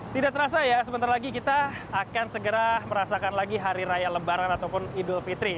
tidak terasa ya sebentar lagi kita akan segera merasakan lagi hari raya lebaran ataupun idul fitri